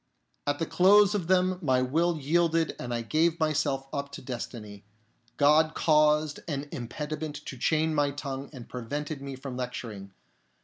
At the close of them my will yielded and I gave myself up to destiny. God caused an impediment to chain my tongue and prevented me from lecturing.